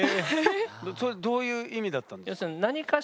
それどういう意味だったんですか？